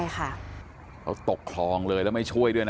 เขาตกคลองเลยแล้วไม่ช่วยด้วยนะ